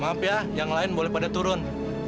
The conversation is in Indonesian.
maaf ya yang lain boleh pada turun